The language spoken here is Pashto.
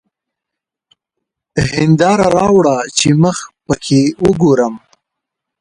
هېنداره راوړه چي مخ پکښې وګورم!